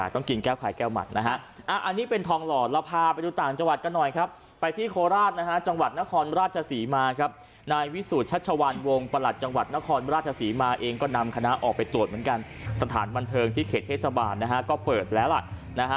เธอทำอิงโกงแบบนี้งั้นนี้ไม่ได้ไม่ได้ต้องกินแก้วไข่แก้วมัด